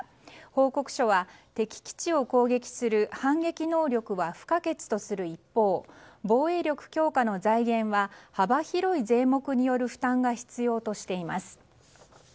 報告書は敵基地を攻撃する反撃能力は不可欠とする一方防衛力強化の財源は幅広い税目による負担が必要としています。